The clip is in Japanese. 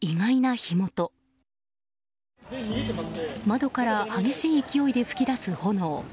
窓から激しい勢いで噴き出す炎。